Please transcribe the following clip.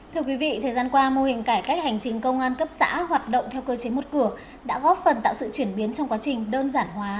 thưa quý vị thời gian qua mô hình cải cách hành trình công an cấp xã hoạt động theo cơ chế một cửa đã góp phần tạo sự chuyển biến trong quá trình đơn giản hóa